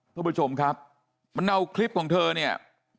ท่านผู้ชมครับมันเอาคลิปของเธอเนี่ย